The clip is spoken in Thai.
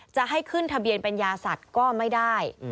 จะให้ขึ้นทะเบียนเป็นยาสัตว์ก็ไม่ได้